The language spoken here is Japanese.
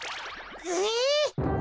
え！